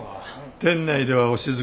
店内ではお静かに。